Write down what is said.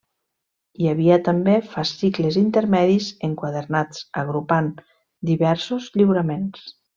Hi havia també fascicles intermedis enquadernats agrupant diversos lliuraments.